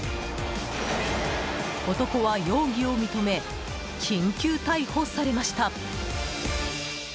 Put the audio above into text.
男は容疑を認め緊急逮捕されました。